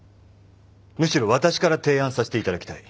むしろ私から提案させていただきたい。